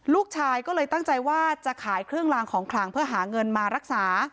ลูกชายก็เลยตั้งใจว่าจะขายเครื่องลางของขลังเพื่อหาเงินมารักษา